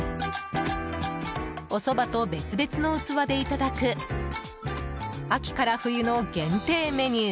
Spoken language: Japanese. おそばと別々の器でいただく秋から冬の限定メニュー